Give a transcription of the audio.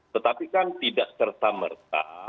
tetapi kan tidak serta merta